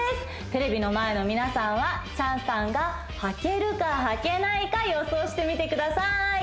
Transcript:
テレビの前の皆さんはチャンさんがはけるかはけないか予想してみてください